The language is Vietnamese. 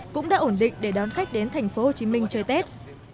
cũng đã ổn định để đón khách đến thành phố hồ chí minh chơi tết